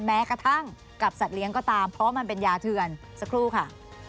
แม้กระทั่งกับสัตว์เลี้ยงก็ตามเพราะว่ามันเป็นยาเทือนสักครู่ค่ะ